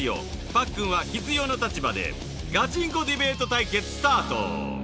パックンは「必要」の立場でガチンコディベート対決スタート！